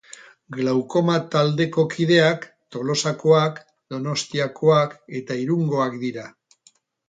Glaukoma taldeko kideak Tolosakoak, Donostiakoak eta Irungoak dira.